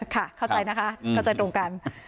เข้าใจนะคะเข้าใจตรงกัน